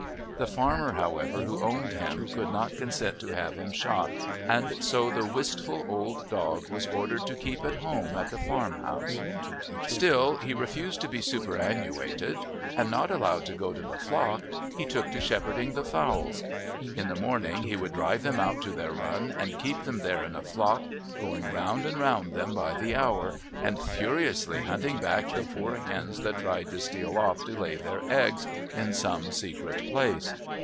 The farmer, however, who owned him, would not consent to have him shot, and so the wistful old dog was ordered to keep at home at the farm house. Still he refused to be superannuated, and not allowed to go to the flock he took to shepherding the fowls. In the morning he would drive them out to their run and keep them there in a flock, going round and round them by the hour, and furiously hunting back the poor hens that tried to steal off to lay their eggs in some secret place.